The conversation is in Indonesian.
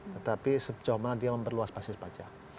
tetapi secara umum dia memperluas pasif pajak